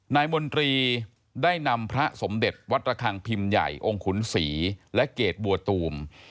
มนตรีได้นำพระสมเด็จวัดระคังพิมพ์ใหญ่องค์ขุนศรีและเกรดบัวตูม